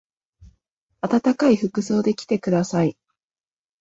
あたたかい服装で来てください。